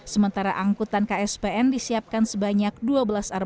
sementara angkutan kspn dan ppd padpaduyasa ini juga berjalan lancar